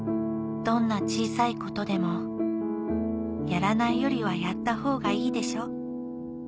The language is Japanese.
「どんな小さいことでもやらないよりはやったほうがいいでしょ」